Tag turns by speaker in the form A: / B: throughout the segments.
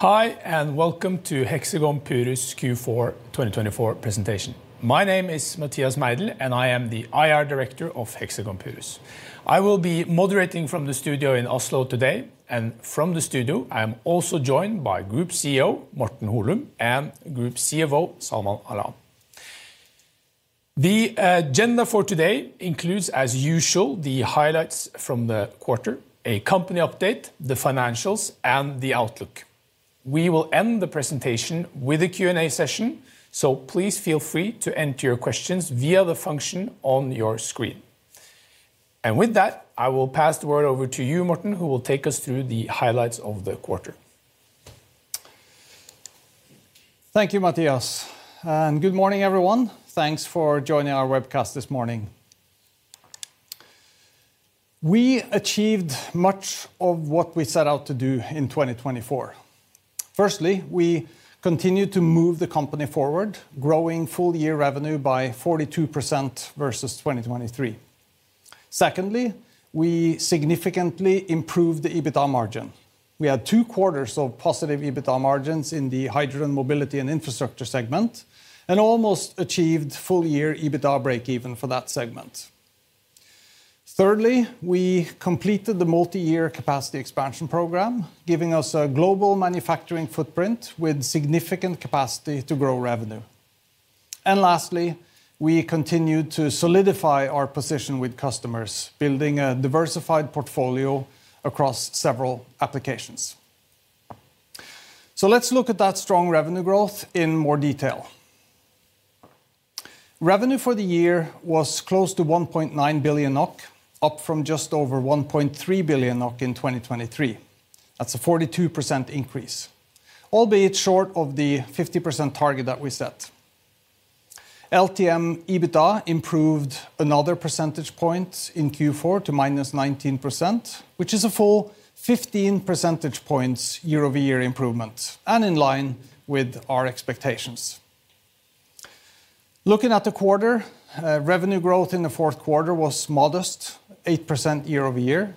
A: Hi, and welcome to Hexagon Purus Q4 2024 presentation. My name is Mathias Meidell, and I am the IR Director of Hexagon Purus. I will be moderating from the studio in Oslo today, and from the studio, I am also joined by Group CEO Morten Holum and Group CFO Salman Alam. The agenda for today includes, as usual, the highlights from the quarter, a company update, the financials, and the outlook. We will end the presentation with a Q&A session, so please feel free to enter your questions via the function on your screen. With that, I will pass the word over to you, Morten, who will take us through the highlights of the quarter.
B: Thank you, Mathias. Good morning, everyone. Thanks for joining our webcast this morning. We achieved much of what we set out to do in 2024. Firstly, we continued to move the company forward, growing full-year revenue by 42% versus 2023. Secondly, we significantly improved the EBITDA margin. We had two quarters of positive EBITDA margins in the hydrogen mobility and infrastructure segment and almost achieved full-year EBITDA break-even for that segment. Thirdly, we completed the multi-year capacity expansion program, giving us a global manufacturing footprint with significant capacity to grow revenue. Lastly, we continued to solidify our position with customers, building a diversified portfolio across several applications. Let's look at that strong revenue growth in more detail. Revenue for the year was close to 1.9 billion NOK, up from just over 1.3 billion NOK in 2023. That's a 42% increase, albeit short of the 50% target that we set. LTM EBITDA improved another percentage point in Q4 to -19%, which is a full 15 percentage points year-over-year improvement and in line with our expectations. Looking at the quarter, revenue growth in the fourth quarter was modest, 8% year-over-year.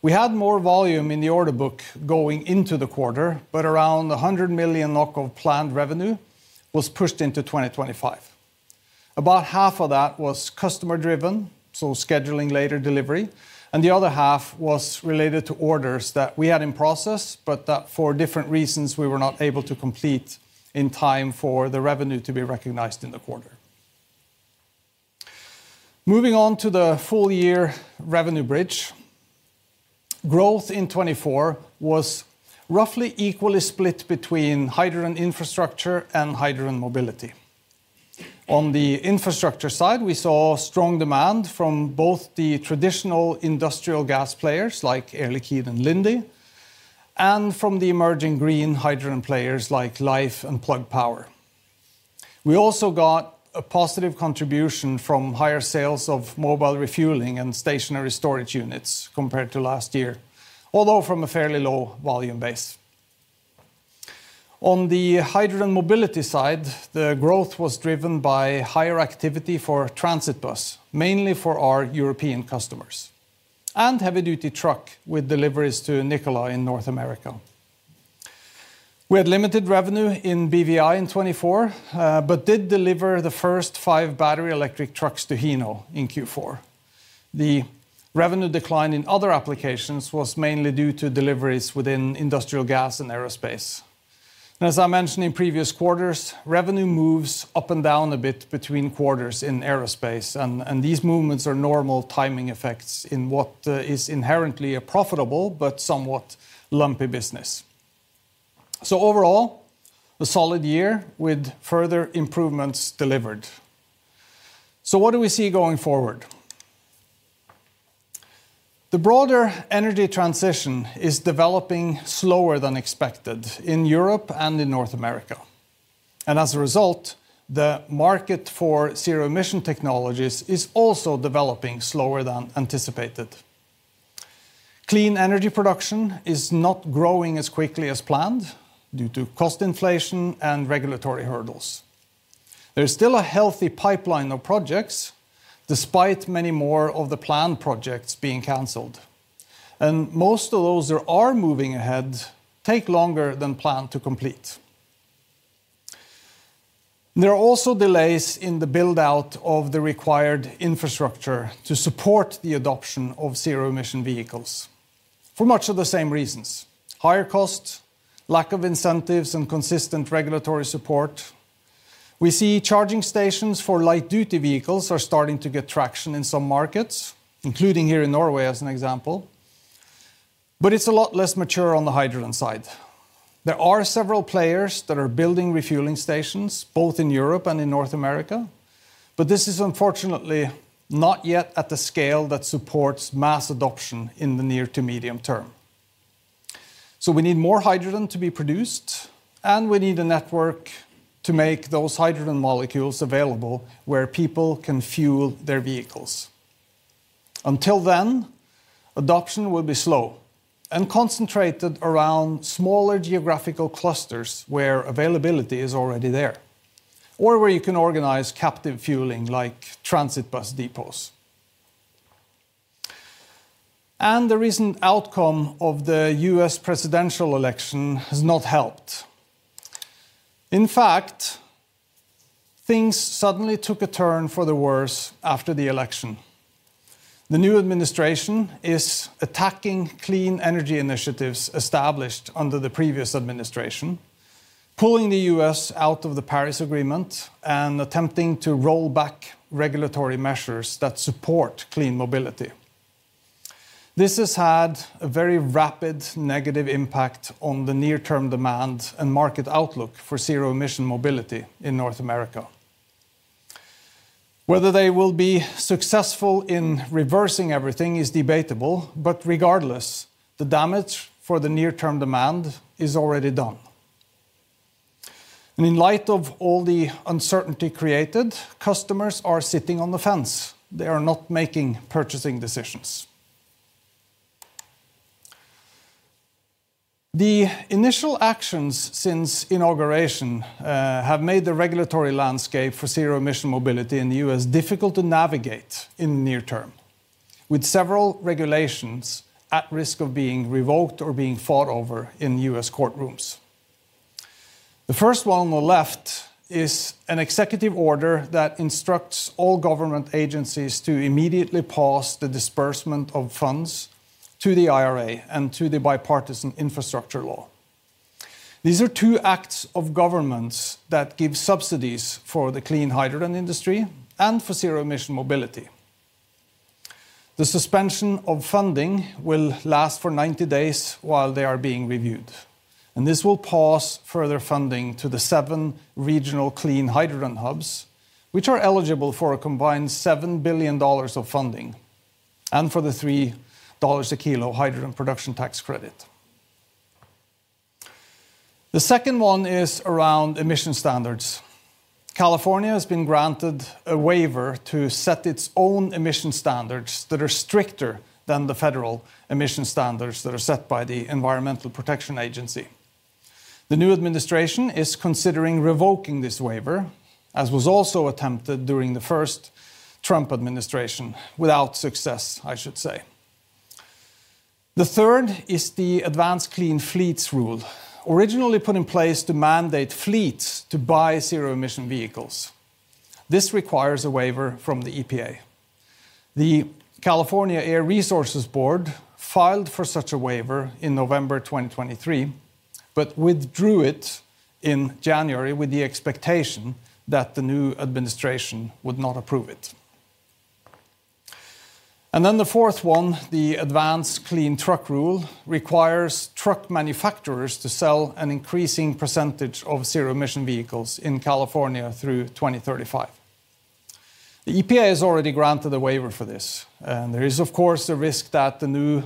B: We had more volume in the order book going into the quarter, but around 100 million of planned revenue was pushed into 2025. About half of that was customer-driven, so scheduling later delivery, and the other half was related to orders that we had in process, but that for different reasons we were not able to complete in time for the revenue to be recognized in the quarter. Moving on to the full-year revenue bridge, growth in 2024 was roughly equally split between hydrogen infrastructure and hydrogen mobility. On the infrastructure side, we saw strong demand from both the traditional industrial gas players like Air Liquide and Linde, and from the emerging green hydrogen players like Lhyfe and Plug Power. We also got a positive contribution from higher sales of mobile refueling and stationary storage units compared to last year, although from a fairly low volume base. On the hydrogen mobility side, the growth was driven by higher activity for transit bus, mainly for our European customers, and heavy-duty truck with deliveries to Nikola in North America. We had limited revenue in BVI in 2024, but did deliver the first five battery electric trucks to Hino in Q4. The revenue decline in other applications was mainly due to deliveries within industrial gas and aerospace. As I mentioned in previous quarters, revenue moves up and down a bit between quarters in aerospace, and these movements are normal timing effects in what is inherently a profitable but somewhat lumpy business. Overall, a solid year with further improvements delivered. What do we see going forward? The broader energy transition is developing slower than expected in Europe and in North America. As a result, the market for zero-emission technologies is also developing slower than anticipated. Clean energy production is not growing as quickly as planned due to cost inflation and regulatory hurdles. There is still a healthy pipeline of projects, despite many more of the planned projects being canceled. Most of those that are moving ahead take longer than planned to complete. There are also delays in the build-out of the required infrastructure to support the adoption of zero-emission vehicles for much of the same reasons: higher costs, lack of incentives, and consistent regulatory support. We see charging stations for light-duty vehicles are starting to get traction in some markets, including here in Norway, as an example. It is a lot less mature on the hydrogen side. There are several players that are building refueling stations both in Europe and in North America, but this is unfortunately not yet at the scale that supports mass adoption in the near to medium term. We need more hydrogen to be produced, and we need a network to make those hydrogen molecules available where people can fuel their vehicles. Until then, adoption will be slow and concentrated around smaller geographical clusters where availability is already there, or where you can organize captive fueling like transit bus depots. The recent outcome of the U.S. presidential election has not helped. In fact, things suddenly took a turn for the worse after the election. The new administration is attacking clean energy initiatives established under the previous administration, pulling the U.S. out of the Paris Agreement and attempting to roll back regulatory measures that support clean mobility. This has had a very rapid negative impact on the near-term demand and market outlook for zero-emission mobility in North America. Whether they will be successful in reversing everything is debatable, but regardless, the damage for the near-term demand is already done. In light of all the uncertainty created, customers are sitting on the fence. They are not making purchasing decisions. The initial actions since inauguration have made the regulatory landscape for zero-emission mobility in the U.S. difficult to navigate in the near term, with several regulations at risk of being revoked or being fought over in U.S. courtrooms. The first one on the left is an executive order that instructs all government agencies to immediately pause the disbursement of funds to the IRA and to the Bipartisan Infrastructure Law. These are two acts of government that give subsidies for the clean hydrogen industry and for zero-emission mobility. The suspension of funding will last for 90 days while they are being reviewed, and this will pause further funding to the seven regional clean hydrogen hubs, which are eligible for a combined $7 billion of funding and for the $3 a kilo hydrogen production tax credit. The second one is around emission standards. California has been granted a waiver to set its own emission standards that are stricter than the federal emission standards that are set by the Environmental Protection Agency. The new administration is considering revoking this waiver, as was also attempted during the first Trump administration, without success, I should say. The third is the Advanced Clean Fleets Rule, originally put in place to mandate fleets to buy zero-emission vehicles. This requires a waiver from the EPA. The California Air Resources Board filed for such a waiver in November 2023, but withdrew it in January with the expectation that the new administration would not approve it. The fourth one, the Advanced Clean Truck Rule, requires truck manufacturers to sell an increasing percentage of zero-emission vehicles in California through 2035. The EPA has already granted a waiver for this. There is, of course, a risk that the new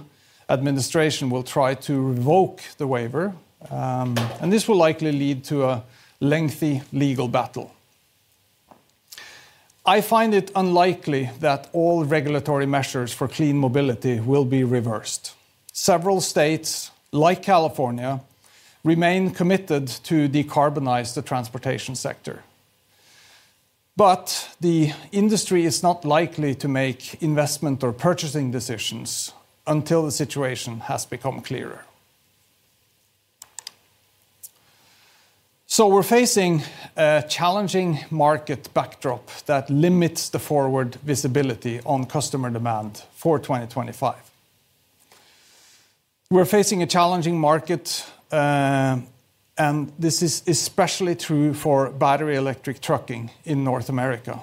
B: administration will try to revoke the waiver, and this will likely lead to a lengthy legal battle. I find it unlikely that all regulatory measures for clean mobility will be reversed. Several states, like California, remain committed to decarbonize the transportation sector. The industry is not likely to make investment or purchasing decisions until the situation has become clearer. We are facing a challenging market backdrop that limits the forward visibility on customer demand for 2025. We are facing a challenging market, and this is especially true for battery electric trucking in North America.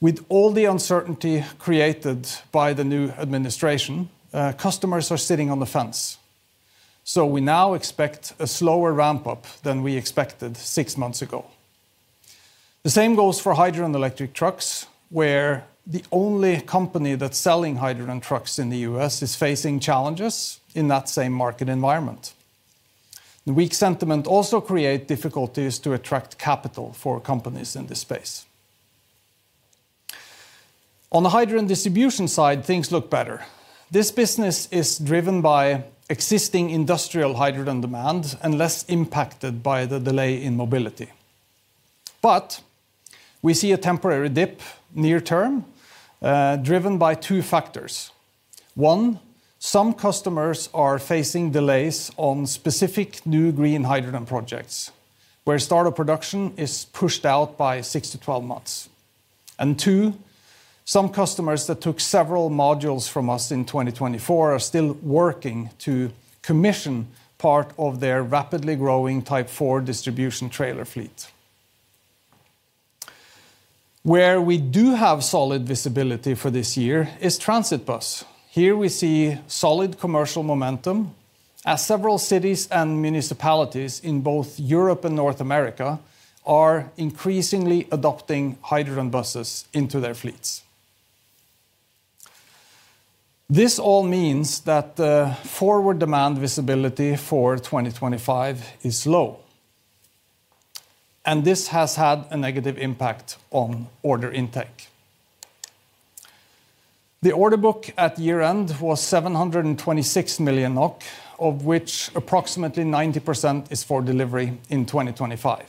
B: With all the uncertainty created by the new administration, customers are sitting on the fence. We now expect a slower ramp-up than we expected six months ago. The same goes for hydrogen electric trucks, where the only company that's selling hydrogen trucks in the U.S. is facing challenges in that same market environment. The weak sentiment also creates difficulties to attract capital for companies in this space. On the hydrogen distribution side, things look better. This business is driven by existing industrial hydrogen demand and less impacted by the delay in mobility. We see a temporary dip near-term driven by two factors. One, some customers are facing delays on specific new green hydrogen projects, where startup production is pushed out by 6months-12 months. Two, some customers that took several modules from us in 2024 are still working to commission part of their rapidly growing Type 4 distribution trailer fleet. Where we do have solid visibility for this year is transit bus. Here we see solid commercial momentum, as several cities and municipalities in both Europe and North America are increasingly adopting hydrogen buses into their fleets. This all means that the forward demand visibility for 2025 is low, and this has had a negative impact on order intake. The order book at year-end was 726 million NOK, of which approximately 90% is for delivery in 2025.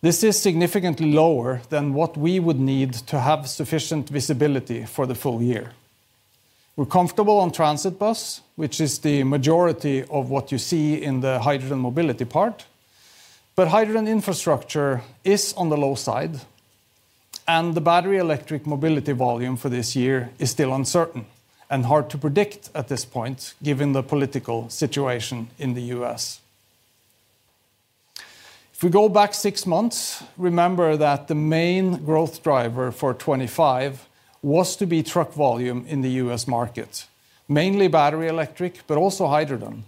B: This is significantly lower than what we would need to have sufficient visibility for the full year. We're comfortable on transit bus, which is the majority of what you see in the hydrogen mobility part. Hydrogen infrastructure is on the low side, and the battery electric mobility volume for this year is still uncertain and hard to predict at this point, given the political situation in the U.S. If we go back six months, remember that the main growth driver for 2025 was to be truck volume in the U.S. market, mainly battery electric, but also hydrogen.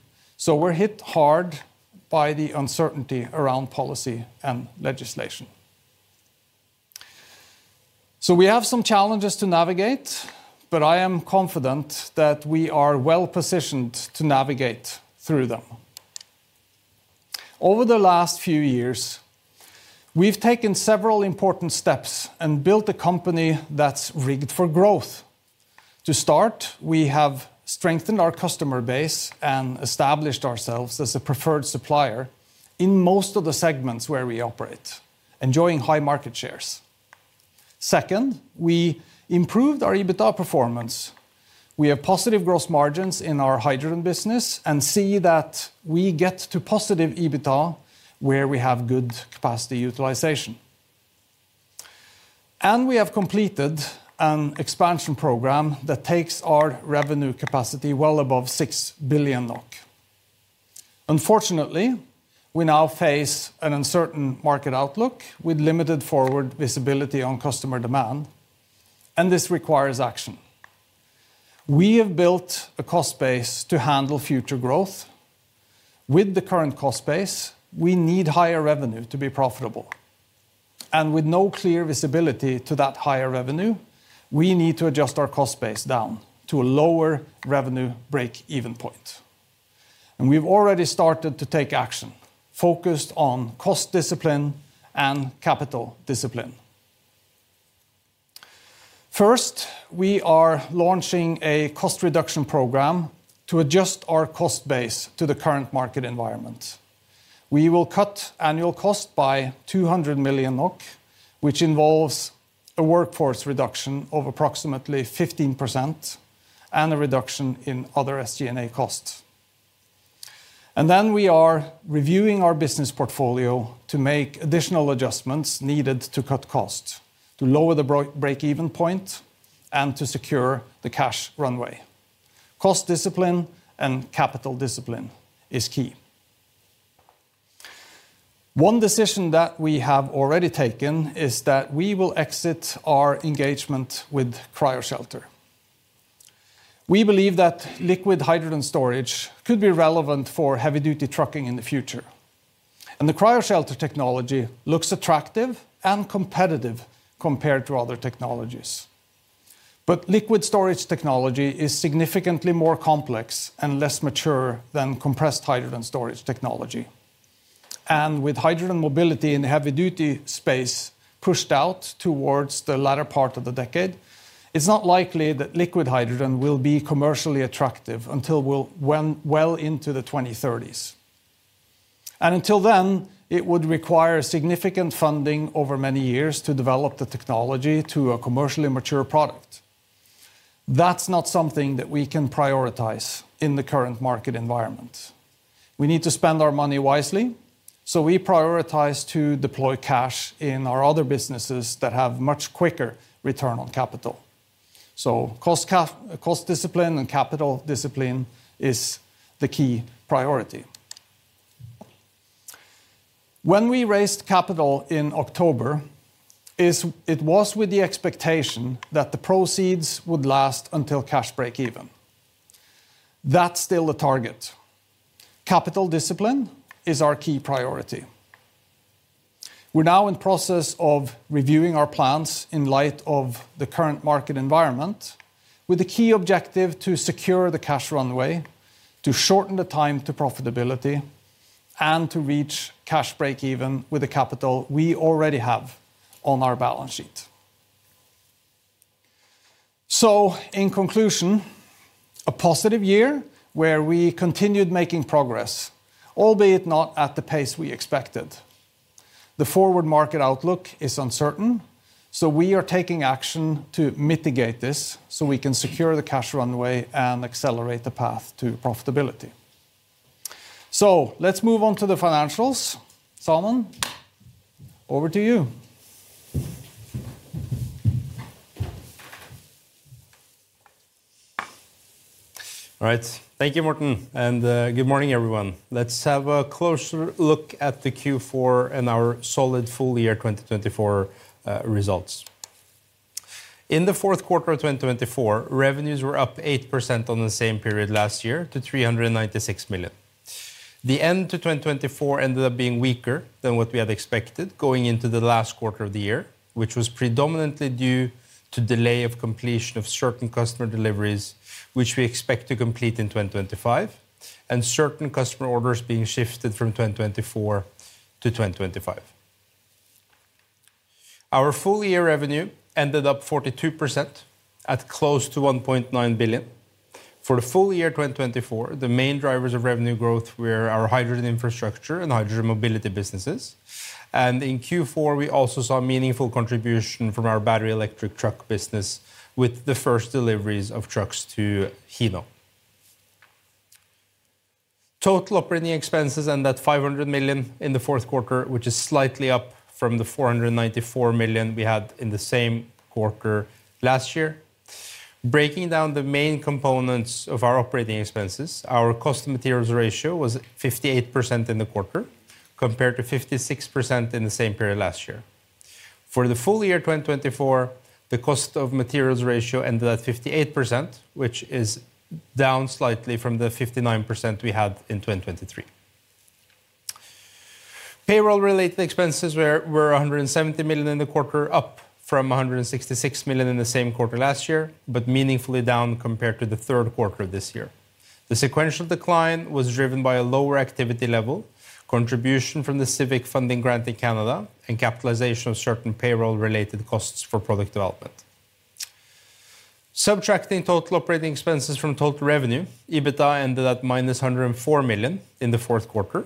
B: We are hit hard by the uncertainty around policy and legislation. We have some challenges to navigate, but I am confident that we are well positioned to navigate through them. Over the last few years, we have taken several important steps and built a company that is rigged for growth. To start, we have strengthened our customer base and established ourselves as a preferred supplier in most of the segments where we operate, enjoying high market shares. Second, we improved our EBITDA performance. We have positive gross margins in our hydrogen business and see that we get to positive EBITDA where we have good capacity utilization. We have completed an expansion program that takes our revenue capacity well above 6 billion NOK. Unfortunately, we now face an uncertain market outlook with limited forward visibility on customer demand, and this requires action. We have built a cost base to handle future growth. With the current cost base, we need higher revenue to be profitable. With no clear visibility to that higher revenue, we need to adjust our cost base down to a lower revenue break-even point. We have already started to take action focused on cost discipline and capital discipline. First, we are launching a cost reduction program to adjust our cost base to the current market environment. We will cut annual cost by 200 million NOK, which involves a workforce reduction of approximately 15% and a reduction in other SG&A costs. We are reviewing our business portfolio to make additional adjustments needed to cut costs, to lower the break-even point, and to secure the cash runway. Cost discipline and capital discipline is key. One decision that we have already taken is that we will exit our engagement with CryoShelter. We believe that liquid hydrogen storage could be relevant for heavy-duty trucking in the future. The CryoShelter technology looks attractive and competitive compared to other technologies. Liquid storage technology is significantly more complex and less mature than compressed hydrogen storage technology. With hydrogen mobility in the heavy-duty space pushed out towards the latter part of the decade, it is not likely that liquid hydrogen will be commercially attractive until well into the 2030s. Until then, it would require significant funding over many years to develop the technology to a commercially mature product. That's not something that we can prioritize in the current market environment. We need to spend our money wisely, so we prioritize to deploy cash in our other businesses that have much quicker return on capital. Cost discipline and capital discipline is the key priority. When we raised capital in October, it was with the expectation that the proceeds would last until cash break-even. That's still the target. Capital discipline is our key priority. We are now in the process of reviewing our plans in light of the current market environment, with the key objective to secure the cash runway, to shorten the time to profitability, and to reach cash break-even with the capital we already have on our balance sheet. In conclusion, a positive year where we continued making progress, albeit not at the pace we expected. The forward market outlook is uncertain, so we are taking action to mitigate this so we can secure the cash runway and accelerate the path to profitability. Let's move on to the financials. Salman, over to you.
C: All right. Thank you, Morten, and good morning, everyone. Let's have a closer look at the Q4 and our solid full-year 2024 results. In the fourth quarter of 2024, revenues were up 8% on the same period last year to 396 million. The end to 2024 ended up being weaker than what we had expected going into the last quarter of the year, which was predominantly due to delay of completion of certain customer deliveries, which we expect to complete in 2025, and certain customer orders being shifted from 2024 to 2025. Our full-year revenue ended up 42% at close to 1.9 billion. For the full year 2024, the main drivers of revenue growth were our hydrogen infrastructure and hydrogen mobility businesses. In Q4, we also saw a meaningful contribution from our battery electric truck business with the first deliveries of trucks to Hino. Total operating expenses ended at 500 million in the fourth quarter, which is slightly up from the 494 million we had in the same quarter last year. Breaking down the main components of our operating expenses, our cost of materials ratio was 58% in the quarter, compared to 56% in the same period last year. For the full year 2024, the cost of materials ratio ended at 58%, which is down slightly from the 59% we had in 2023. Payroll-related expenses were 170 million in the quarter, up from 166 million in the same quarter last year, but meaningfully down compared to the third quarter of this year. The sequential decline was driven by a lower activity level, contribution from the civic funding grant in Canada, and capitalization of certain payroll-related costs for product development. Subtracting total operating expenses from total revenue, EBITDA ended at -104 million in the fourth quarter,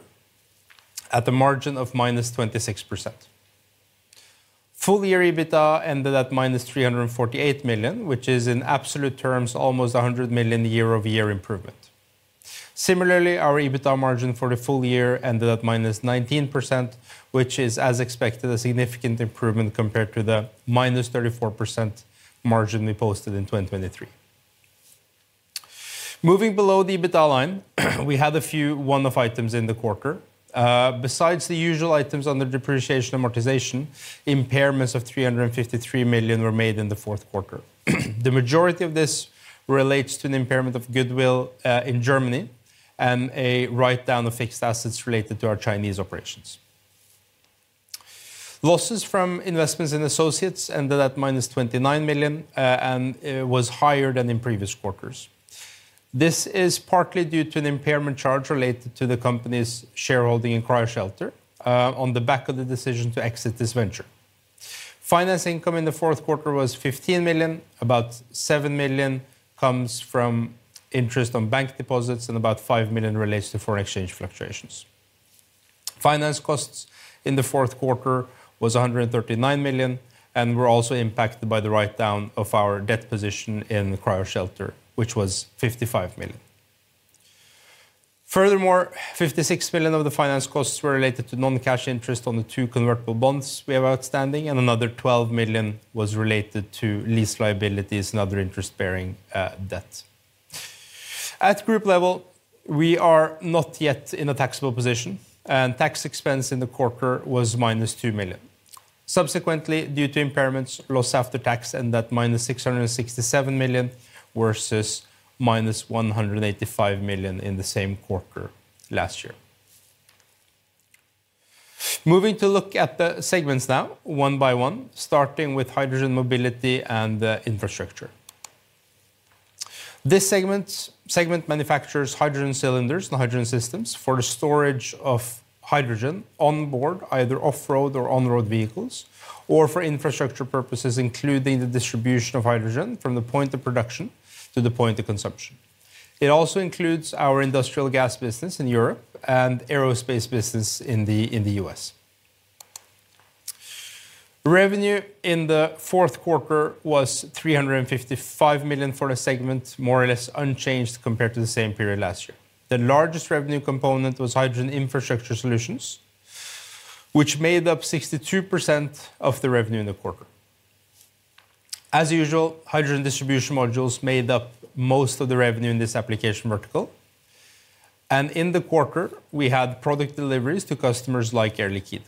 C: at a margin of -26%. Full-year EBITDA ended at -348 million, which is, in absolute terms, almost 100 million year-over-year improvement. Similarly, our EBITDA margin for the full year ended at -19%, which is, as expected, a significant improvement compared to the -34% margin we posted in 2023. Moving below the EBITDA line, we had a few one-off items in the quarter. Besides the usual items under depreciation amortization, impairments of 353 million were made in the fourth quarter. The majority of this relates to an impairment of goodwill in Germany and a write-down of fixed assets related to our Chinese operations. Losses from investments in associates ended at -29 million and was higher than in previous quarters. This is partly due to an impairment charge related to the company's shareholding in CryoShelter on the back of the decision to exit this venture. Finance income in the fourth quarter was 15 million. About 7 million comes from interest on bank deposits, and about 5 million relates to foreign exchange fluctuations. Finance costs in the fourth quarter was 139 million and were also impacted by the write-down of our debt position in CryoShelter, which was 55 million. Furthermore, 56 million of the finance costs were related to non-cash interest on the two convertible bonds we have outstanding, and another 12 million was related to lease liabilities and other interest-bearing debt. At group level, we are not yet in a taxable position, and tax expense in the quarter was -2 million. Subsequently, due to impairments, loss after tax ended at -667 million versus -185 million in the same quarter last year. Moving to look at the segments now, one by one, starting with hydrogen mobility and infrastructure. This segment manufactures hydrogen cylinders and hydrogen systems for the storage of hydrogen on board either off-road or on-road vehicles, or for infrastructure purposes, including the distribution of hydrogen from the point of production to the point of consumption. It also includes our industrial gas business in Europe and aerospace business in the US. Revenue in the fourth quarter was 355 million for the segment, more or less unchanged compared to the same period last year. The largest revenue component was hydrogen infrastructure solutions, which made up 62% of the revenue in the quarter. As usual, hydrogen distribution modules made up most of the revenue in this application vertical. In the quarter, we had product deliveries to customers like Air Liquide.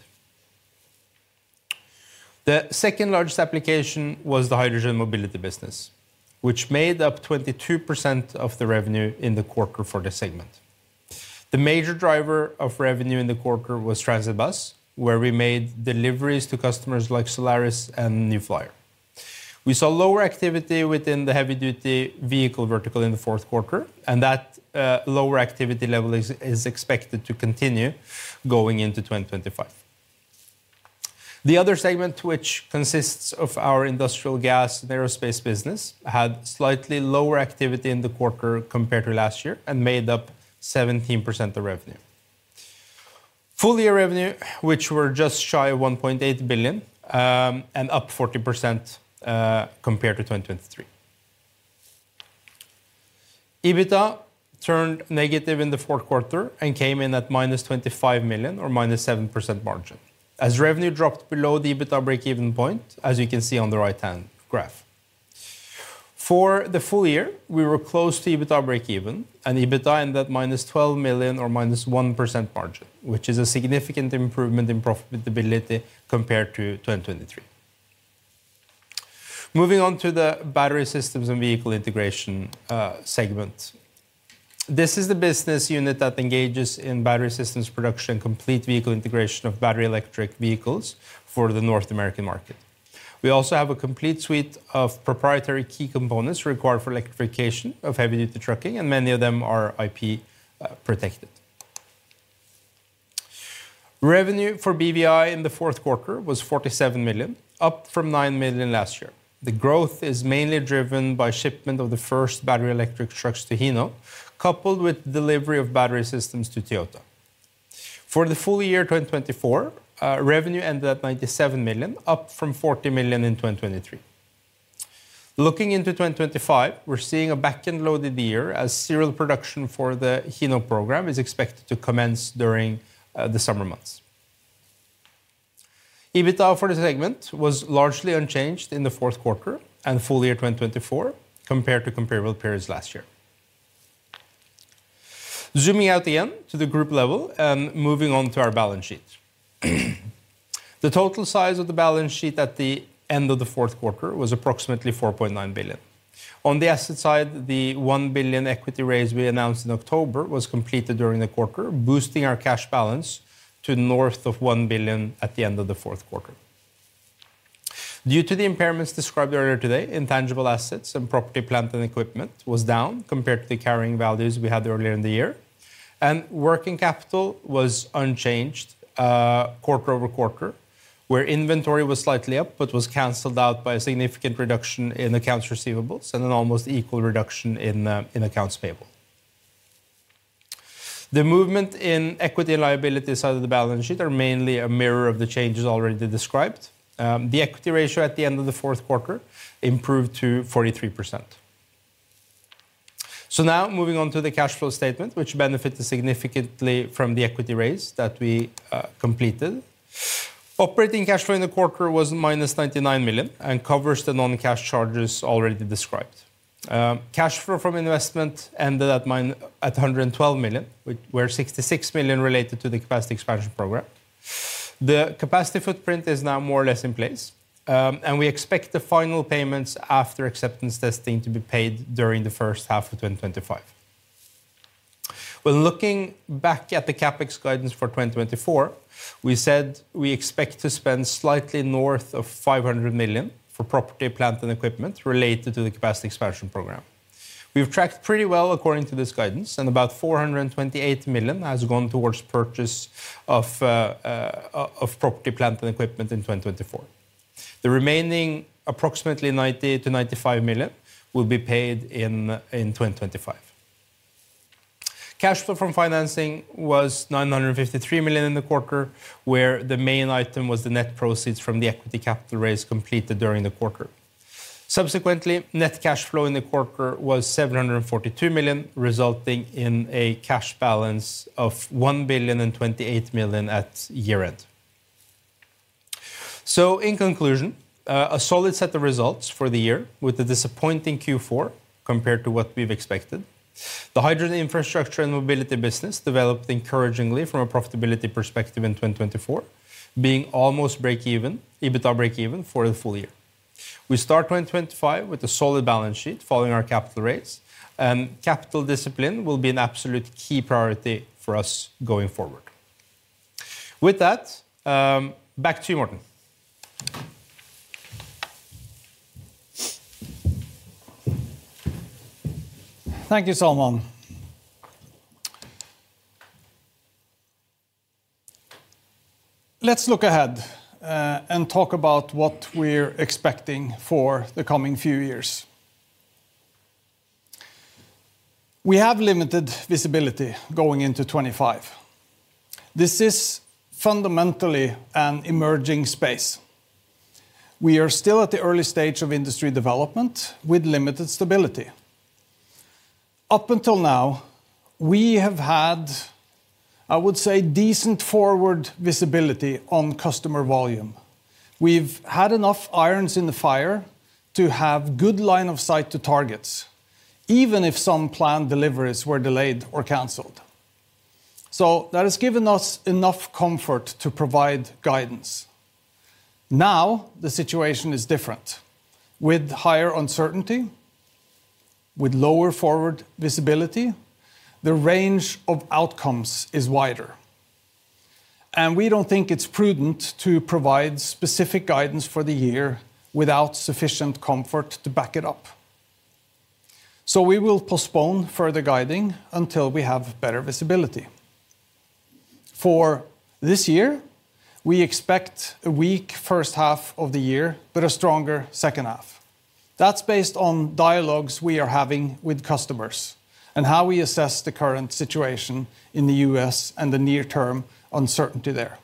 C: The second largest application was the hydrogen mobility business, which made up 22% of the revenue in the quarter for the segment. The major driver of revenue in the quarter was transit bus, where we made deliveries to customers like Solaris and New Flyer. We saw lower activity within the heavy-duty vehicle vertical in the fourth quarter, and that lower activity level is expected to continue going into 2025. The other segment, which consists of our industrial gas and aerospace business, had slightly lower activity in the quarter compared to last year and made up 17% of revenue. Full-year revenue was just shy of 1.8 billion, and up 40% compared to 2023. EBITDA turned negative in the fourth quarter and came in at -25 million, or -7% margin, as revenue dropped below the EBITDA break-even point, as you can see on the right-hand graph. For the full year, we were close to EBITDA break-even, and EBITDA ended at -12 million, or -1% margin, which is a significant improvement in profitability compared to 2023. Moving on to the battery systems and vehicle integration segment. This is the business unit that engages in battery systems production and complete vehicle integration of battery electric vehicles for the North American market. We also have a complete suite of proprietary key components required for electrification of heavy-duty trucking, and many of them are IP protected. Revenue for BVI in the fourth quarter was 47 million, up from 9 million last year. The growth is mainly driven by shipment of the first battery electric trucks to Hino, coupled with delivery of battery systems to Toyota. For the full year 2024, revenue ended at 97 million, up from 40 million in 2023. Looking into 2025, we're seeing a back-end loaded year as serial production for the Hino program is expected to commence during the summer months. EBITDA for the segment was largely unchanged in the fourth quarter and full year 2024 compared to comparable periods last year. Zooming out again to the group level and moving on to our balance sheet. The total size of the balance sheet at the end of the fourth quarter was approximately 4.9 billion. On the asset side, the 1 billion equity raise we announced in October was completed during the quarter, boosting our cash balance to north of 1 billion at the end of the fourth quarter. Due to the impairments described earlier today, intangible assets and property, plant and equipment was down compared to the carrying values we had earlier in the year. Working capital was unchanged quarter-over-quarter, where inventory was slightly up but was canceled out by a significant reduction in accounts receivables and an almost equal reduction in accounts payable. The movement in equity and liabilities side of the balance sheet are mainly a mirror of the changes already described. The equity ratio at the end of the fourth quarter improved to 43%. Now moving on to the cash flow statement, which benefited significantly from the equity raise that we completed. Operating cash flow in the quarter was -99 million and covers the non-cash charges already described. Cash flow from investment ended at 112 million, where 66 million related to the capacity expansion program. The capacity footprint is now more or less in place, and we expect the final payments after acceptance testing to be paid during the first half of 2025. When looking back at the CapEx guidance for 2024, we said we expect to spend slightly north of 500 million for property, plant, and equipment related to the capacity expansion program. We've tracked pretty well according to this guidance, and about 428 million has gone towards purchase of property, plant, and equipment in 2024. The remaining approximately 90-95 million will be paid in 2025. Cash flow from financing was 953 million in the quarter, where the main item was the net proceeds from the equity capital raise completed during the quarter. Subsequently, net cash flow in the quarter was 742 million, resulting in a cash balance of 1.28 billion at year-end. In conclusion, a solid set of results for the year with a disappointing Q4 compared to what we've expected. The hydrogen infrastructure and mobility business developed encouragingly from a profitability perspective in 2024, being almost break-even, EBITDA break-even for the full year. We start 2025 with a solid balance sheet following our capital raise, and capital discipline will be an absolute key priority for us going forward. With that, back to you, Morten.
B: Thank you, Salman. Let's look ahead and talk about what we're expecting for the coming few years. We have limited visibility going into 2025. This is fundamentally an emerging space. We are still at the early stage of industry development with limited stability. Up until now, we have had, I would say, decent forward visibility on customer volume. We've had enough irons in the fire to have good line of sight to targets, even if some planned deliveries were delayed or canceled. That has given us enough comfort to provide guidance. Now the situation is different. With higher uncertainty, with lower forward visibility, the range of outcomes is wider. We do not think it's prudent to provide specific guidance for the year without sufficient comfort to back it up. We will postpone further guiding until we have better visibility. For this year, we expect a weak first half of the year, but a stronger second half. That's based on dialogues we are having with customers and how we assess the current situation in the U.S. and the near-term uncertainty there.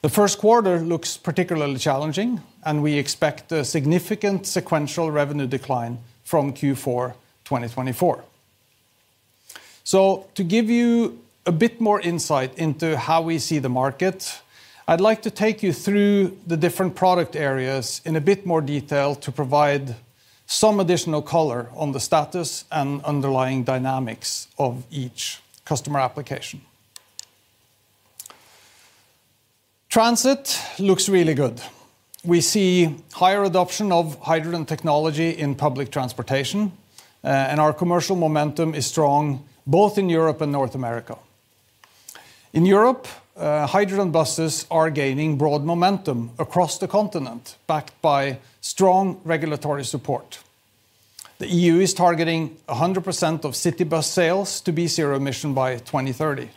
B: The first quarter looks particularly challenging, and we expect a significant sequential revenue decline from Q4 2024. To give you a bit more insight into how we see the market, I'd like to take you through the different product areas in a bit more detail to provide some additional color on the status and underlying dynamics of each customer application. Transit looks really good. We see higher adoption of hydrogen technology in public transportation, and our commercial momentum is strong both in Europe and North America. In Europe, hydrogen buses are gaining broad momentum across the continent, backed by strong regulatory support. The EU is targeting 100% of city bus sales to be zero emission by 2030.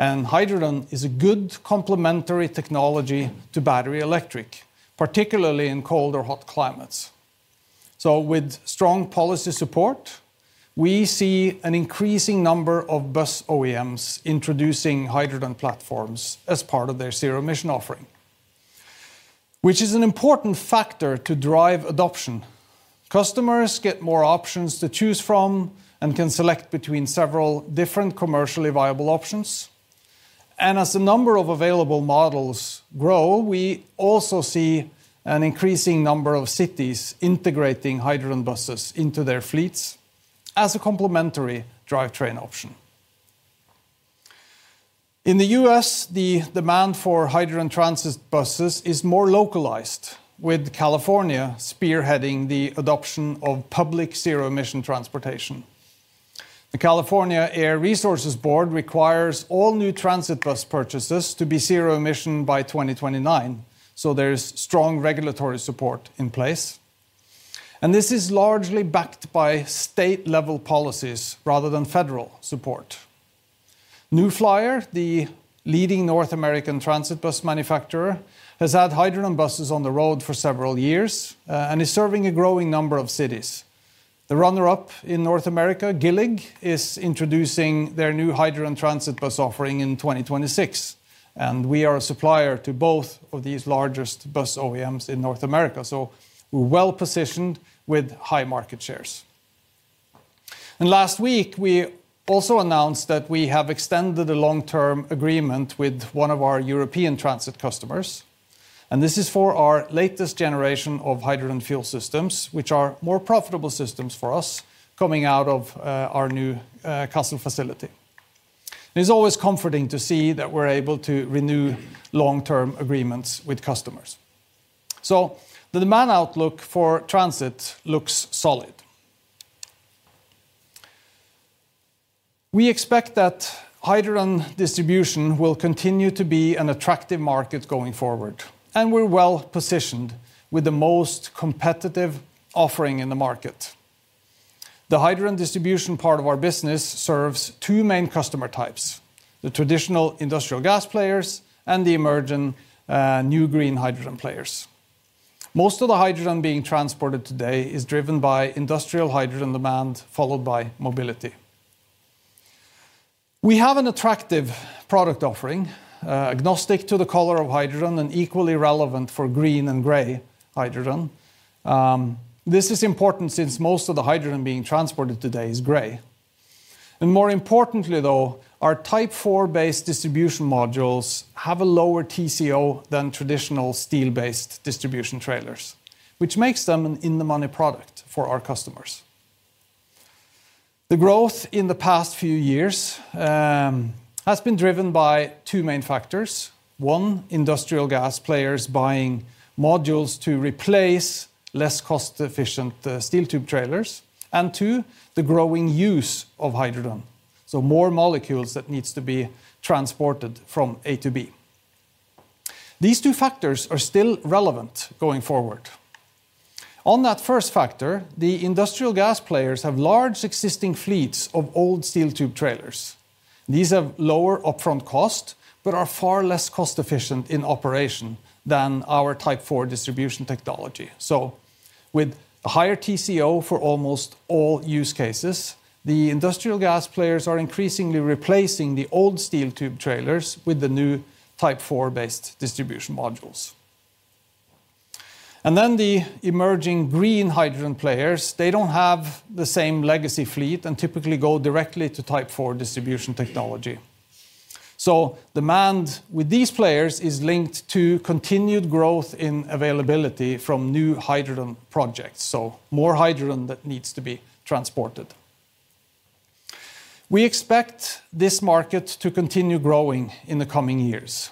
B: Hydrogen is a good complementary technology to battery electric, particularly in cold or hot climates. With strong policy support, we see an increasing number of bus OEMs introducing hydrogen platforms as part of their zero-emission offering, which is an important factor to drive adoption. Customers get more options to choose from and can select between several different commercially viable options. As the number of available models grow, we also see an increasing number of cities integrating hydrogen buses into their fleets as a complementary drivetrain option. In the U.S., the demand for hydrogen transit buses is more localized, with California spearheading the adoption of public zero-emission transportation. The California Air Resources Board requires all new transit bus purchases to be zero-emission by 2029. There is strong regulatory support in place. This is largely backed by state-level policies rather than federal support. New Flyer, the leading North American transit bus manufacturer, has had hydrogen buses on the road for several years and is serving a growing number of cities. The runner-up in North America, Gillig, is introducing their new hydrogen transit bus offering in 2026. We are a supplier to both of these largest bus OEMs in North America, so we're well positioned with high market shares. Last week, we also announced that we have extended a long-term agreement with one of our European transit customers. This is for our latest generation of hydrogen fuel systems, which are more profitable systems for us coming out of our new Kassel facility. It is always comforting to see that we're able to renew long-term agreements with customers. The demand outlook for transit looks solid. We expect that hydrogen distribution will continue to be an attractive market going forward, and we're well positioned with the most competitive offering in the market. The hydrogen distribution part of our business serves two main customer types: the traditional industrial gas players and the emerging new green hydrogen players. Most of the hydrogen being transported today is driven by industrial hydrogen demand, followed by mobility. We have an attractive product offering, agnostic to the color of hydrogen and equally relevant for green and gray hydrogen. This is important since most of the hydrogen being transported today is gray. More importantly, though, our Type 4-based distribution modules have a lower TCO than traditional steel-based distribution trailers, which makes them an in-the-money product for our customers. The growth in the past few years has been driven by two main factors: one, industrial gas players buying modules to replace less cost-efficient steel tube trailers; and two, the growing use of hydrogen, so more molecules that need to be transported from A to B. These two factors are still relevant going forward. On that first factor, the industrial gas players have large existing fleets of old steel tube trailers. These have lower upfront cost but are far less cost-efficient in operation than our Type 4 distribution technology. With a higher TCO for almost all use cases, the industrial gas players are increasingly replacing the old steel tube trailers with the new Type 4-based distribution modules. The emerging green hydrogen players do not have the same legacy fleet and typically go directly to Type 4 distribution technology. Demand with these players is linked to continued growth in availability from new hydrogen projects, so more hydrogen that needs to be transported. We expect this market to continue growing in the coming years,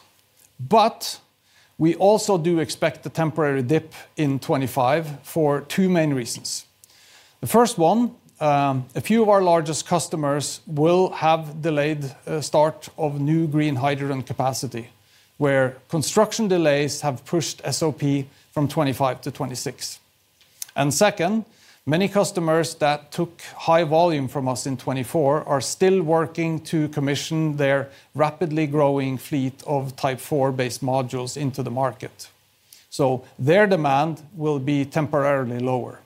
B: but we also do expect a temporary dip in 2025 for two main reasons. The first one, a few of our largest customers will have delayed start of new green hydrogen capacity, where construction delays have pushed SOP from 2025 to 2026. Second, many customers that took high volume from us in 2024 are still working to commission their rapidly growing fleet of Type 4-based modules into the market. Their demand will be temporarily lower.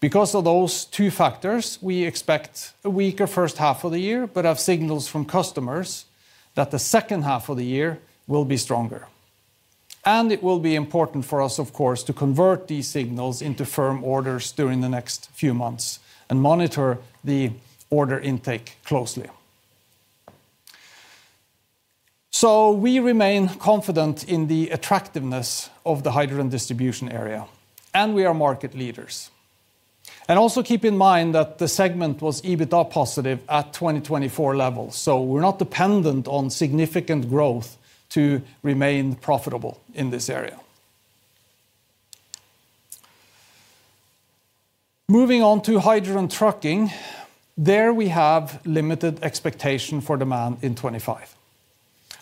B: Because of those two factors, we expect a weaker first half of the year, but have signals from customers that the second half of the year will be stronger. It will be important for us, of course, to convert these signals into firm orders during the next few months and monitor the order intake closely. We remain confident in the attractiveness of the hydrogen distribution area, and we are market leaders. Also keep in mind that the segment was EBITDA positive at 2024 levels, so we are not dependent on significant growth to remain profitable in this area. Moving on to hydrogen trucking, there we have limited expectation for demand in 2025.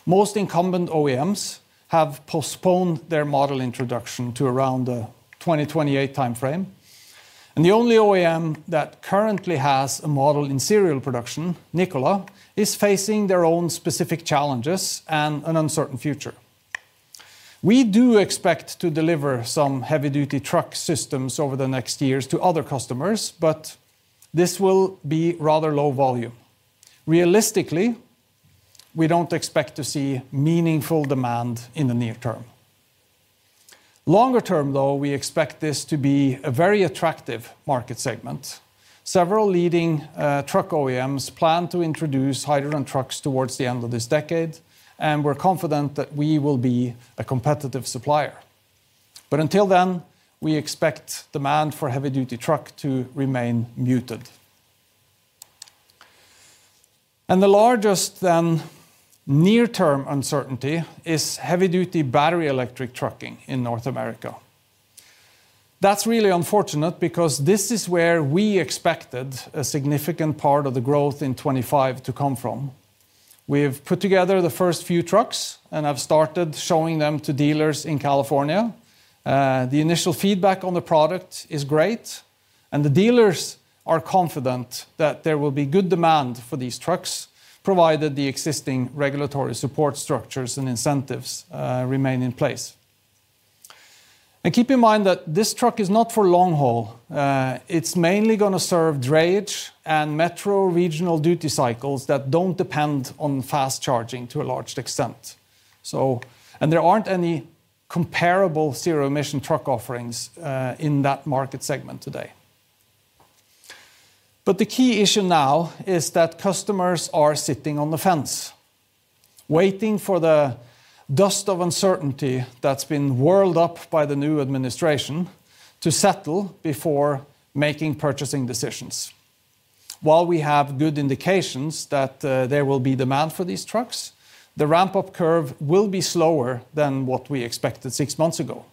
B: Most incumbent OEMs have postponed their model introduction to around the 2028 timeframe. The only OEM that currently has a model in serial production, Nikola, is facing their own specific challenges and an uncertain future. We do expect to deliver some heavy-duty truck systems over the next years to other customers, but this will be rather low volume. Realistically, we do not expect to see meaningful demand in the near term. Longer term, though, we expect this to be a very attractive market segment. Several leading truck OEMs plan to introduce hydrogen trucks towards the end of this decade, and we are confident that we will be a competitive supplier. Until then, we expect demand for heavy-duty truck to remain muted. The largest near-term uncertainty is heavy-duty battery electric trucking in North America. That's really unfortunate because this is where we expected a significant part of the growth in 2025 to come from. We've put together the first few trucks and have started showing them to dealers in California. The initial feedback on the product is great, and the dealers are confident that there will be good demand for these trucks, provided the existing regulatory support structures and incentives remain in place. Keep in mind that this truck is not for long haul. It's mainly going to serve drayage and metro regional duty cycles that don't depend on fast charging to a large extent. There aren't any comparable zero-emission truck offerings in that market segment today. The key issue now is that customers are sitting on the fence, waiting for the dust of uncertainty that's been whirled up by the new administration to settle before making purchasing decisions. While we have good indications that there will be demand for these trucks, the ramp-up curve will be slower than what we expected six months ago.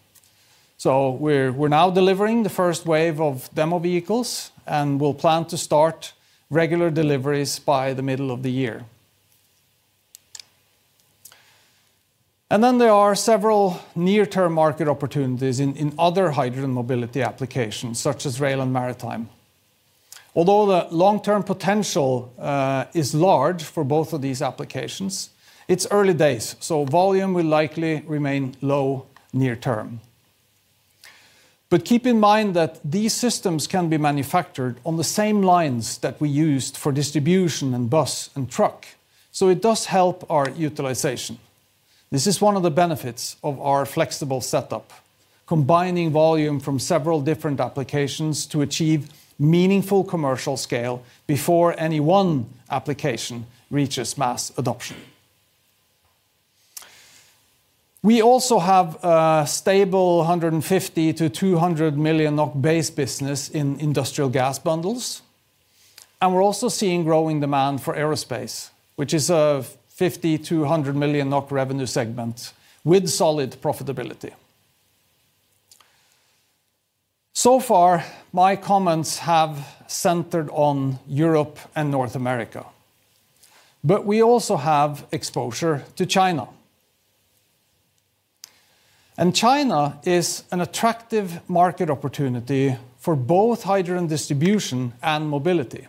B: We are now delivering the first wave of demo vehicles, and we will plan to start regular deliveries by the middle of the year. There are several near-term market opportunities in other hydrogen mobility applications, such as rail and maritime. Although the long-term potential is large for both of these applications, it is early days, so volume will likely remain low near term. Keep in mind that these systems can be manufactured on the same lines that we use for distribution and bus and truck, so it does help our utilization. This is one of the benefits of our flexible setup, combining volume from several different applications to achieve meaningful commercial scale before any one application reaches mass adoption. We also have a stable 150 million-200 million NOK base business in industrial gas bundles, and we are also seeing growing demand for aerospace, which is a 50 million-100 million NOK revenue segment with solid profitability. So far, my comments have centered on Europe and North America, but we also have exposure to China. China is an attractive market opportunity for both hydrogen distribution and mobility.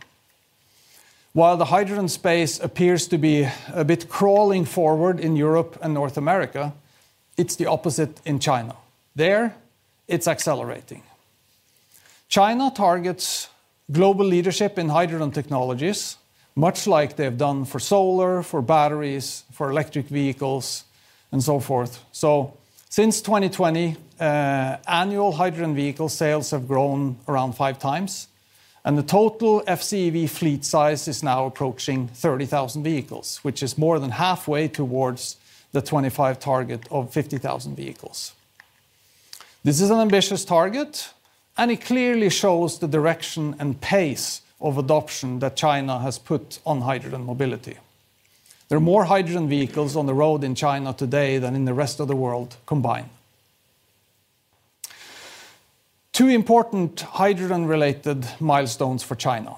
B: While the hydrogen space appears to be a bit crawling forward in Europe and North America, it is the opposite in China. There, it is accelerating. China targets global leadership in hydrogen technologies, much like they have done for solar, for batteries, for electric vehicles, and so forth. Since 2020, annual hydrogen vehicle sales have grown around five times, and the total FCEV fleet size is now approaching 30,000 vehicles, which is more than halfway towards the 2025 target of 50,000 vehicles. This is an ambitious target, and it clearly shows the direction and pace of adoption that China has put on hydrogen mobility. There are more hydrogen vehicles on the road in China today than in the rest of the world combined. Two important hydrogen-related milestones for China.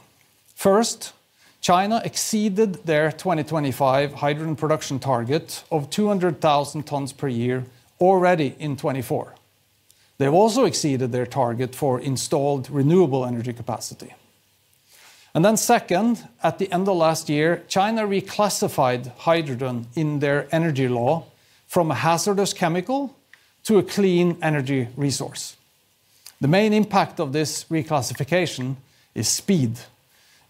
B: First, China exceeded their 2025 hydrogen production target of 200,000 tons per year already in 2024. They've also exceeded their target for installed renewable energy capacity. Second, at the end of last year, China reclassified hydrogen in their energy law from a hazardous chemical to a clean energy resource. The main impact of this reclassification is speed.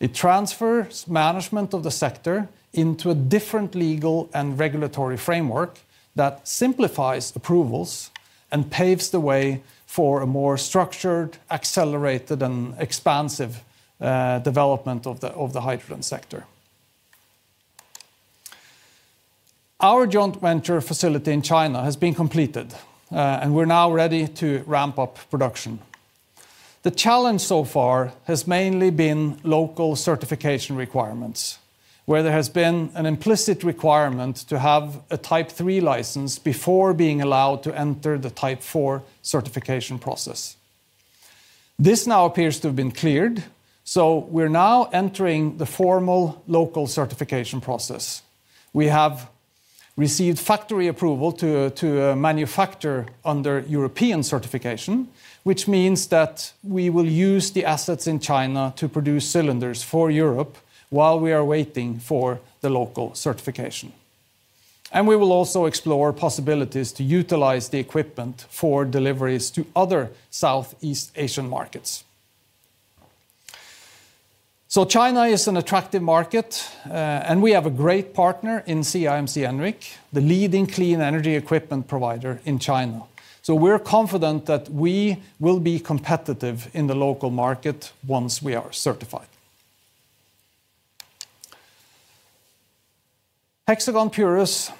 B: It transfers management of the sector into a different legal and regulatory framework that simplifies approvals and paves the way for a more structured, accelerated, and expansive development of the hydrogen sector. Our joint venture facility in China has been completed, and we're now ready to ramp up production. The challenge so far has mainly been local certification requirements, where there has been an implicit requirement to have a Type 3 license before being allowed to enter the Type 4 certification process. This now appears to have been cleared, so we're now entering the formal local certification process. We have received factory approval to manufacture under European certification, which means that we will use the assets in China to produce cylinders for Europe while we are waiting for the local certification. We will also explore possibilities to utilize the equipment for deliveries to other Southeast Asian markets. China is an attractive market, and we have a great partner in CIMC Enric, the leading clean energy equipment provider in China. We are confident that we will be competitive in the local market once we are certified. Hexagon Purus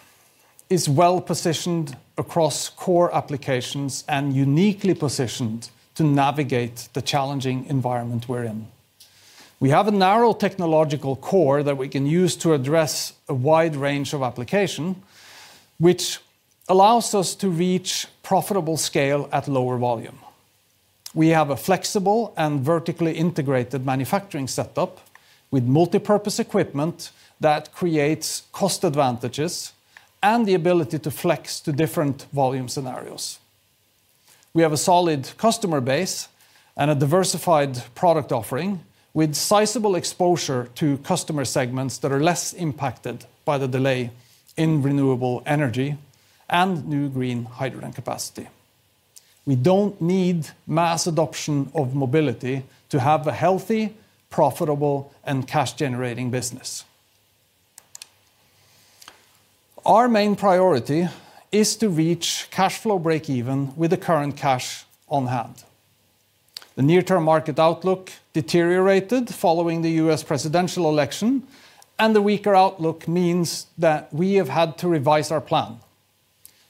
B: is well positioned across core applications and uniquely positioned to navigate the challenging environment we are in. We have a narrow technological core that we can use to address a wide range of applications, which allows us to reach profitable scale at lower volume. We have a flexible and vertically integrated manufacturing setup with multipurpose equipment that creates cost advantages and the ability to flex to different volume scenarios. We have a solid customer base and a diversified product offering with sizable exposure to customer segments that are less impacted by the delay in renewable energy and new green hydrogen capacity. We do not need mass adoption of mobility to have a healthy, profitable, and cash-generating business. Our main priority is to reach cash flow break-even with the current cash on hand. The near-term market outlook deteriorated following the U.S. presidential election, and the weaker outlook means that we have had to revise our plan,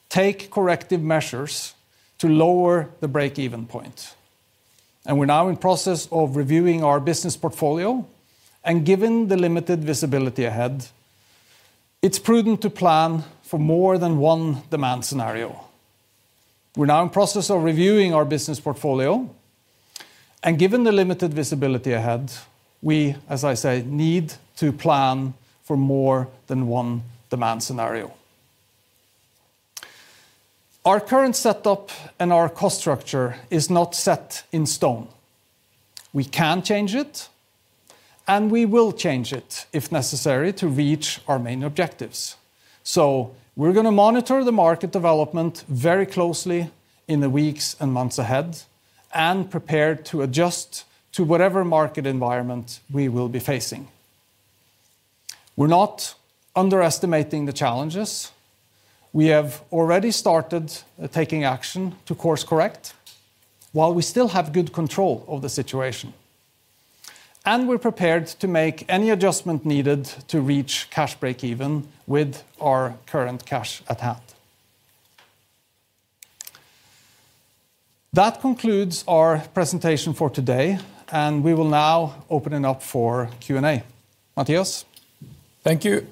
B: take corrective measures to lower the break-even point. We are now in the process of reviewing our business portfolio, and given the limited visibility ahead, it's prudent to plan for more than one demand scenario. We are now in the process of reviewing our business portfolio, and given the limited visibility ahead, we, as I say, need to plan for more than one demand scenario. Our current setup and our cost structure is not set in stone. We can change it, and we will change it if necessary to reach our main objectives. We are going to monitor the market development very closely in the weeks and months ahead and prepare to adjust to whatever market environment we will be facing. We are not underestimating the challenges. We have already started taking action to course correct while we still have good control of the situation. We are prepared to make any adjustment needed to reach cash break-even with our current cash at hand. That concludes our presentation for today, and we will now open it up for Q&A. Mattias?
A: Thank you.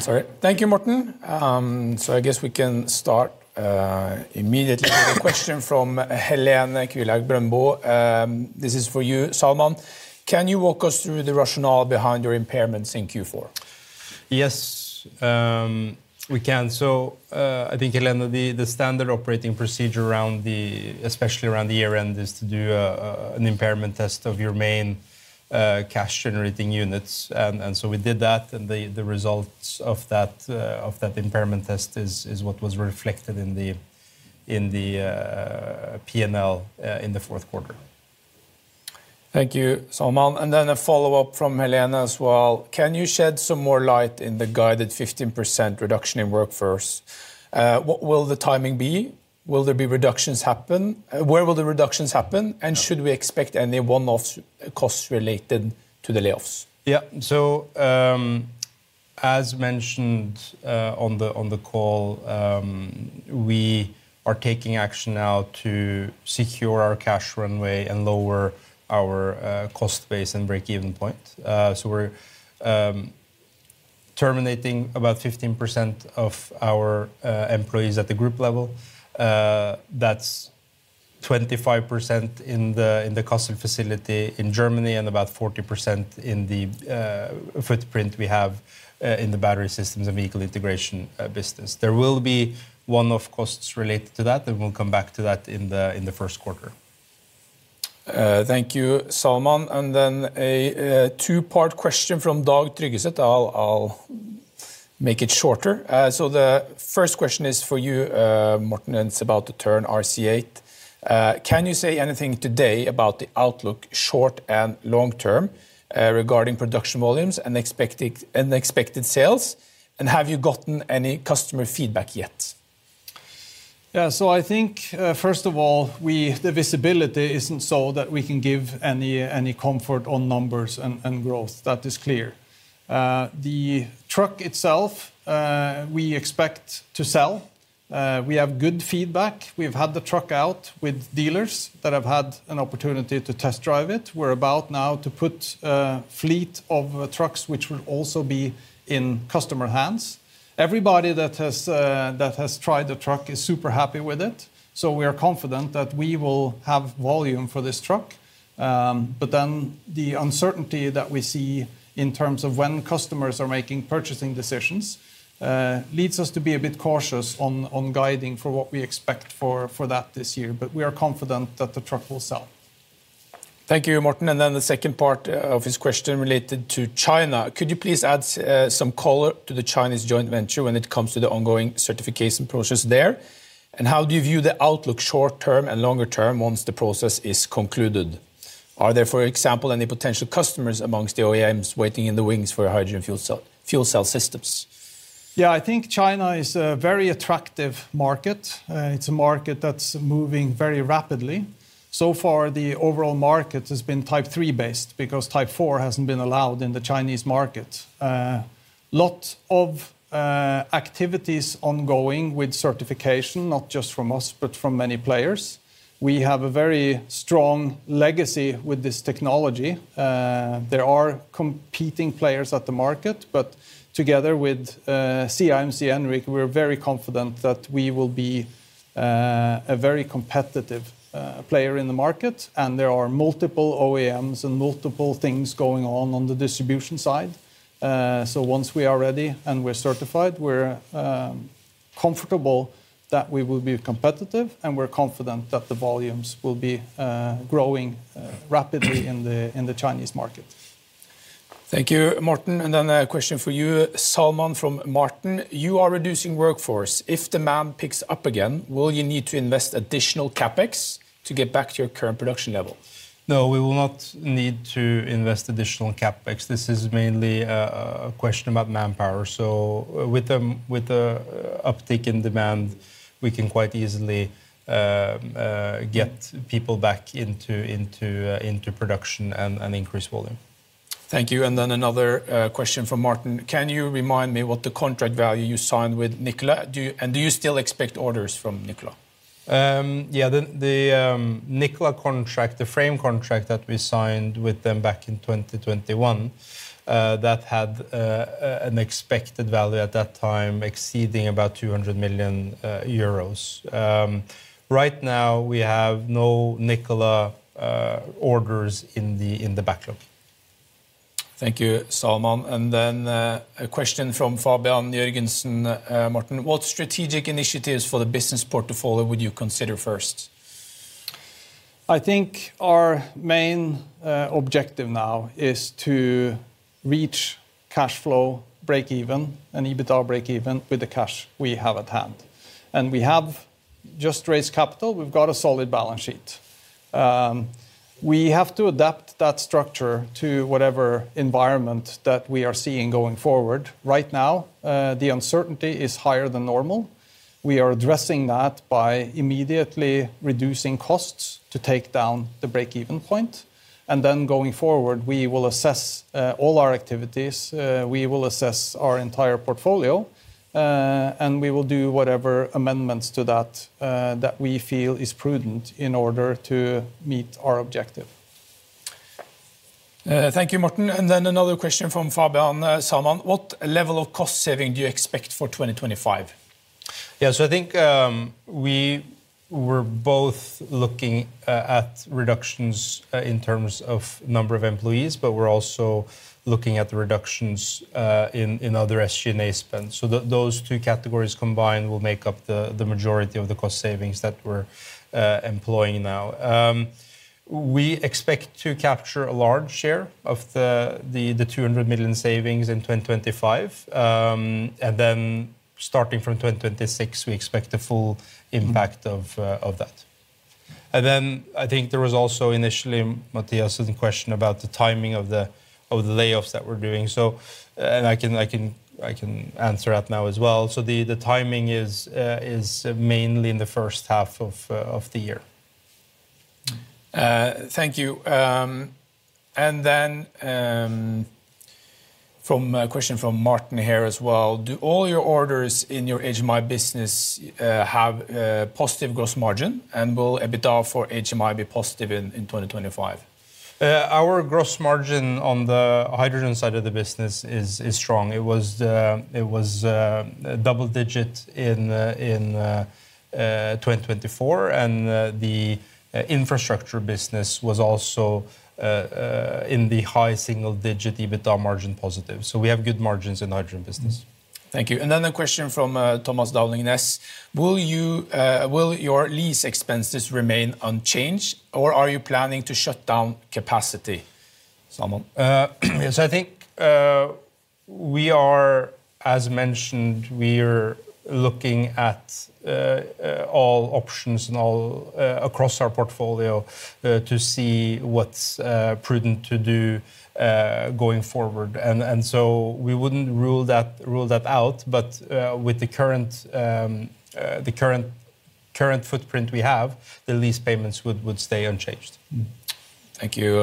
A: Sorry. Thank you, Morten. I guess we can start immediately with a question from Helene Kvilhaug Brøndbo. This is for you, Salman. Can you walk us through the rationale behind your impairments in Q4?
C: Yes, we can. I think, Helene, the standard operating procedure, especially around the year-end, is to do an impairment test of your main cash-generating units. We did that, and the results of that impairment test is what was reflected in the P&L in the fourth quarter.
A: Thank you, Salman. A follow-up from Helene as well. Can you shed some more light on the guided 15% reduction in workforce? What will the timing be? Will there be reductions happen? Where will the reductions happen? Should we expect any one-off costs related to the layoffs?
C: Yeah. As mentioned on the call, we are taking action now to secure our cash runway and lower our cost base and break-even point. We are terminating about 15% of our employees at the group level. That is 25% in the Kassel facility in Germany and about 40% in the footprint we have in the battery systems and vehicle integration business. There will be one-off costs related to that, and we will come back to that in the first quarter.
A: Thank you, Salman. A two-part question from Dag Tryggeset. I will make it shorter. The first question is for you, Morten, and it is about the Tern RC8. Can you say anything today about the outlook short and long term regarding production volumes and expected sales? Have you gotten any customer feedback yet?
B: Yeah. I think, first of all, the visibility is not such that we can give any comfort on numbers and growth. That is clear. The truck itself, we expect to sell. We have good feedback. We've had the truck out with dealers that have had an opportunity to test drive it. We're about now to put a fleet of trucks which will also be in customer hands. Everybody that has tried the truck is super happy with it. We are confident that we will have volume for this truck. The uncertainty that we see in terms of when customers are making purchasing decisions leads us to be a bit cautious on guiding for what we expect for that this year. We are confident that the truck will sell.
A: Thank you, Morten. The second part of his question related to China. Could you please add some color to the Chinese joint venture when it comes to the ongoing certification process there? How do you view the outlook short term and longer term once the process is concluded? Are there, for example, any potential customers amongst the OEMs waiting in the wings for hydrogen fuel cell systems?
B: I think China is a very attractive market. It is a market that is moving very rapidly. So far, the overall market has been Type 3 based because Type 4 has not been allowed in the Chinese market. A lot of activities are ongoing with certification, not just from us, but from many players. We have a very strong legacy with this technology. There are competing players at the market, but together with CIMC Enric, we're very confident that we will be a very competitive player in the market. There are multiple OEMs and multiple things going on on the distribution side. Once we are ready and we're certified, we're comfortable that we will be competitive, and we're confident that the volumes will be growing rapidly in the Chinese market.
A: Thank you, Morten. A question for you, Salman, from Martin. You are reducing workforce. If demand picks up again, will you need to invest additional CapEx to get back to your current production level?
C: No, we will not need to invest additional CapEx. This is mainly a question about manpower. With the uptick in demand, we can quite easily get people back into production and increase volume.
A: Thank you. Another question from Martin. Can you remind me what the contract value you signed with Nikola? And do you still expect orders from Nikola?
C: Yeah, the Nikola contract, the frame contract that we signed with them back in 2021, that had an expected value at that time exceeding about 200 million euros. Right now, we have no Nikola orders in the backlog.
A: Thank you, Salman. A question from Fabian Jørgensen, Martin. What strategic initiatives for the business portfolio would you consider first?
B: I think our main objective now is to reach cash flow break-even and EBITDA break-even with the cash we have at hand. We have just raised capital. We've got a solid balance sheet. We have to adapt that structure to whatever environment that we are seeing going forward. Right now, the uncertainty is higher than normal. We are addressing that by immediately reducing costs to take down the break-even point. Going forward, we will assess all our activities. We will assess our entire portfolio, and we will do whatever amendments to that that we feel is prudent in order to meet our objective.
A: Thank you, Morten. Another question from Fabian Salman. What level of cost saving do you expect for 2025?
B: Yeah, I think we were both looking at reductions in terms of number of employees, but we are also looking at the reductions in other SG&A spend. Those two categories combined will make up the majority of the cost savings that we are employing now. We expect to capture a large share of the 200 million savings in 2025. Starting from 2026, we expect the full impact of that. I think there was also initially, Mattias, a question about the timing of the layoffs that we're doing. I can answer that now as well. The timing is mainly in the first half of the year.
A: Thank you. A question from Martin here as well. Do all your orders in your HMI business have positive gross margin? Will EBITDA for HMI be positive in 2025?
B: Our gross margin on the hydrogen side of the business is strong. It was double-digit in 2024. The infrastructure business was also in the high single-digit EBITDA margin positive. We have good margins in the hydrogen business.
A: Thank you. A question from Thomas Dahl Ingles. Will your lease expenses remain unchanged, or are you planning to shut down capacity? Salman?
C: I think we are, as mentioned, we are looking at all options across our portfolio to see what's prudent to do going forward. We would not rule that out, but with the current footprint we have, the lease payments would stay unchanged.
A: Thank you,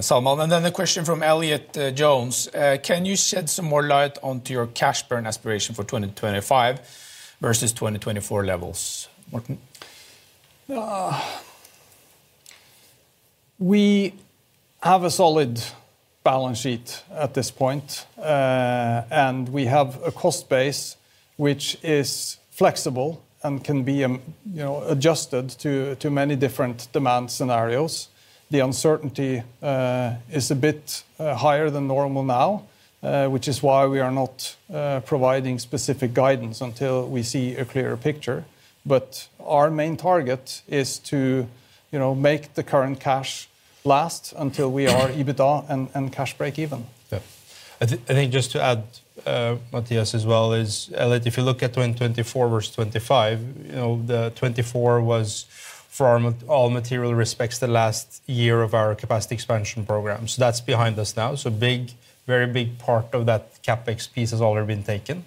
A: Salman. A question from Elliot Jones. Can you shed some more light onto your cash burn aspiration for 2025 versus 2024 levels?
B: We have a solid balance sheet at this point, and we have a cost base which is flexible and can be adjusted to many different demand scenarios. The uncertainty is a bit higher than normal now, which is why we are not providing specific guidance until we see a clearer picture. Our main target is to make the current cash last until we are EBITDA and cash break-even. Yeah.
C: I think just to add, Mattias as well, is Elliot, if you look at 2024 versus 2025, the 2024 was, for all material respects, the last year of our capacity expansion program. That is behind us now. A very big part of that CapEx piece has already been taken.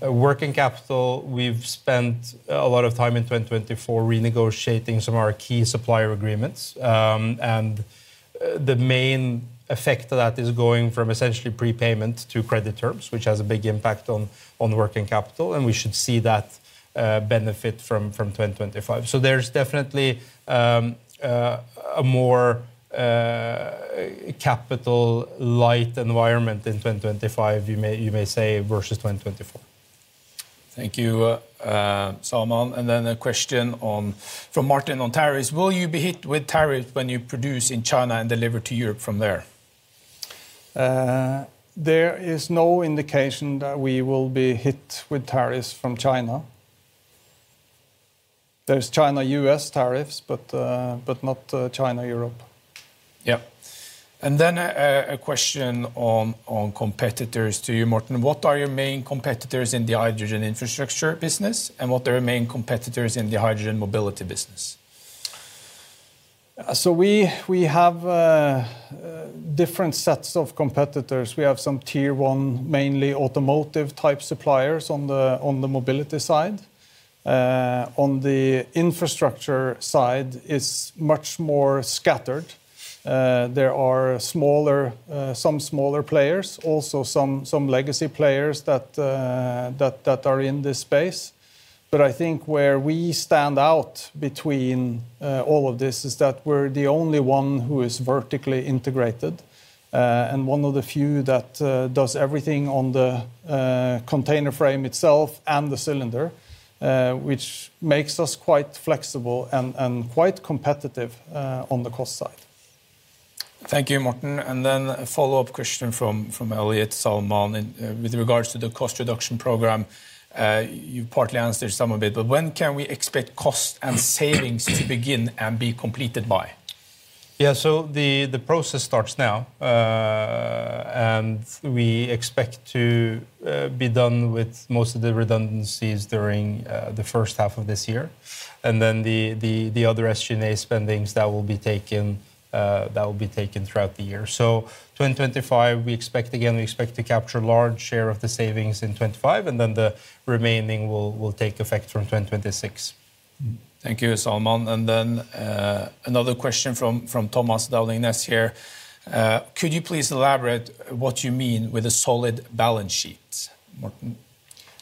C: Working capital, we have spent a lot of time in 2024 renegotiating some of our key supplier agreements. The main effect of that is going from essentially prepayment to credit terms, which has a big impact on working capital. We should see that benefit from 2025. There is definitely a more capital-light environment in 2025, you may say, versus 2024.
A: Thank you, Salman. A question from Martin on tariffs. Will you be hit with tariffs when you produce in China and deliver to Europe from there?
B: There is no indication that we will be hit with tariffs from China. There are China-US tariffs, but not China-Europe. Yeah.
A: A question on competitors to you, Morten. What are your main competitors in the hydrogen infrastructure business, and what are your main competitors in the hydrogen mobility business?
B: We have different sets of competitors. We have some tier-one, mainly automotive-type suppliers on the mobility side. On the infrastructure side, it is much more scattered. There are some smaller players, also some legacy players that are in this space. I think where we stand out between all of this is that we are the only one who is vertically integrated and one of the few that does everything on the container frame itself and the cylinder, which makes us quite flexible and quite competitive on the cost side.
A: Thank you, Morten. Then a follow-up question from Elliot Salman with regards to the cost reduction program. You have partly answered some of it, but when can we expect cost and savings to begin and be completed by?
C: Yeah, the process starts now, and we expect to be done with most of the redundancies during the first half of this year. The other SG&A spendings will be taken throughout the year. In 2025, we expect to capture a large share of the savings, and the remaining will take effect from 2026.
A: Thank you, Salman. Another question from Thomas Dahl Ingles here. Could you please elaborate what you mean with a solid balance sheet, Morten?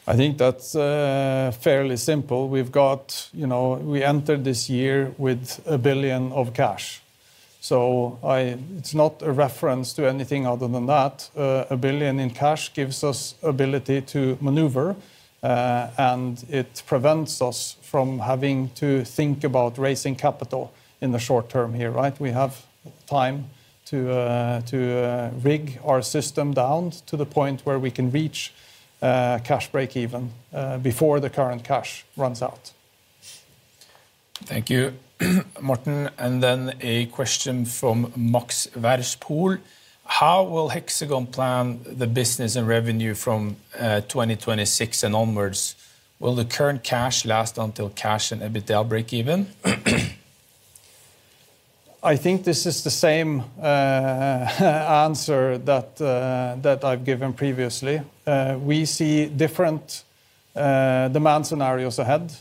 B: I think that is fairly simple. We entered this year with a billion of cash. It is not a reference to anything other than that. A billion in cash gives us ability to maneuver, and it prevents us from having to think about raising capital in the short term here, right? We have time to rig our system down to the point where we can reach cash break-even before the current cash runs out.
A: Thank you, Morten. A question from Max Werspool. How will Hexagon Purus plan the business and revenue from 2026 and onwards? Will the current cash last until cash and EBITDA break-even?
B: I think this is the same answer that I've given previously. We see different demand scenarios ahead.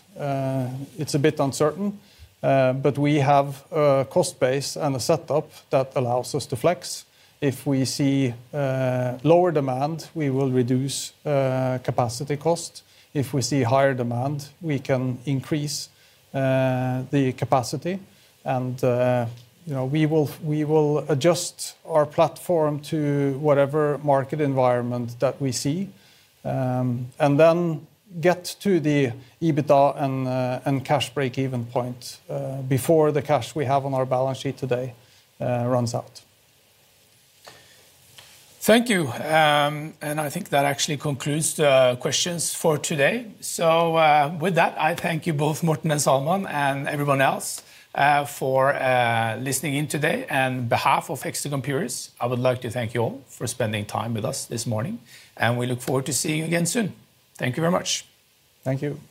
B: It's a bit uncertain, but we have a cost base and a setup that allows us to flex. If we see lower demand, we will reduce capacity cost. If we see higher demand, we can increase the capacity. We will adjust our platform to whatever market environment that we see and then get to the EBITDA and cash break-even point before the cash we have on our balance sheet today runs out.
A: Thank you. I think that actually concludes the questions for today. With that, I thank you both, Morten and Salman, and everyone else for listening in today. On behalf of Hexagon Purus, I would like to thank you all for spending time with us this morning. We look forward to seeing you again soon. Thank you very much. Thank you.